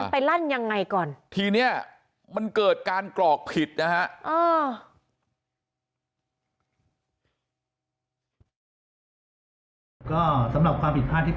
ไปลั่นยังไงก่อนทีนี้มันเกิดการกรอกผิดนะฮะ